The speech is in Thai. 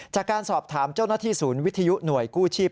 จากการสอบถามเจ้าหน้าที่ศูนย์วิทยุหน่วยกู้ชีพ